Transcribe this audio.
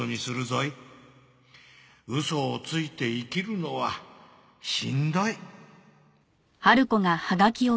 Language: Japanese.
「嘘を吐いて生きるのはしんどい」